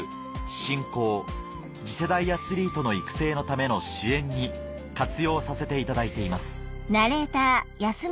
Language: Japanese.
・振興次世代アスリートの育成のための支援に活用させていただいています